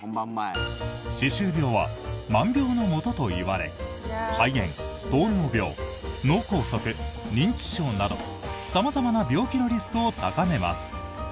歯周病は万病のもとといわれ肺炎、糖尿病脳梗塞、認知症など様々な病気のリスクを高めます。